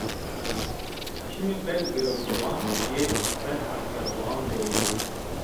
Çimê bergirewtoxan yê berakerdoxan de yê